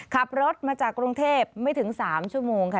ขับรถมาจากกรุงเทพไม่ถึง๓ชั่วโมงค่ะ